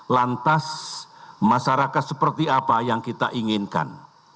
lantas masyarakat seperti apa yang kita inginkan